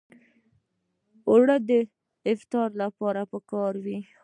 اوړه د افطار لپاره پکار وي